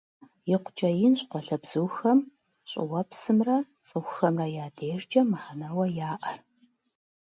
ИкъукӀэ инщ къуалэбзухэм щӀыуэпсымрэ цӀыхухэмрэ я дежкӀэ мыхьэнэуэ яӀэр.